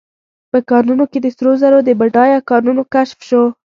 په کانونو کې د سرو زرو د بډایه کانونو کشف شو.